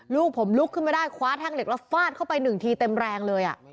ลูกผมลุกขึ้นมาได้คว้าแท่งเหล็กแล้วฟาดเข้าไปหนึ่งทีเต็มแรงเลย